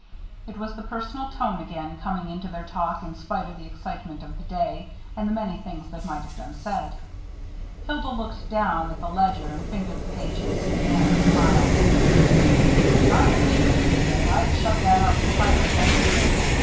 It was the personal tone again, coming into their talk in spite of the excitement of the day and the many things that might have been said. Hilda looked down at the ledger, and fingered the pages. Bannon smiled. "If I were you," he said, "I'd shut that up and fire it under the table.